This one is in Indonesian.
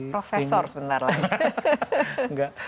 profesor sebentar lagi